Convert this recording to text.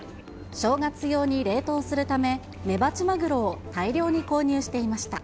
正月用に冷凍するため、メバチマグロを大量に購入していました。